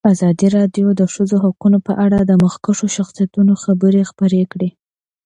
ازادي راډیو د د ښځو حقونه په اړه د مخکښو شخصیتونو خبرې خپرې کړي.